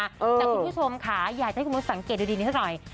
คุณผู้ชมค่ะอยากให้คุณลูกสังเกตดูดีหน่อย